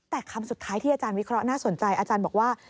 แต่คำสุดท้ายที่อาจารย์วิเคราะห์น่าสนใจอาจารย์บอกว่า